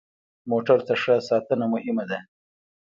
موټر ته ښه ساتنه مهمه ده.